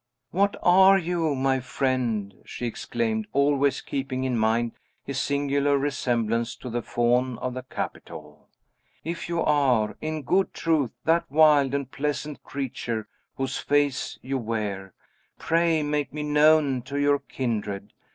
"What are you, my friend?" she exclaimed, always keeping in mind his singular resemblance to the Faun of the Capitol. "If you are, in good truth, that wild and pleasant creature whose face you wear, pray make me known to your kindred.